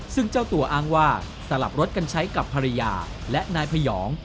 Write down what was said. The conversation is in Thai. ซึ่งเจ้าตัวอ้างว่าสลับรถกันใช้กับภรรยาและนายพยอง